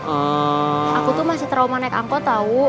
aku tuh masih trauma naik angkot tau